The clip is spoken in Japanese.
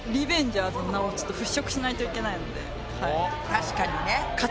確かにね。